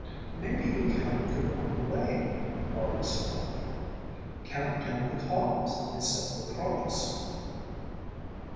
"Maybe you counted the wrong way," Barby said thoughtfully. "Count down the columns instead of across."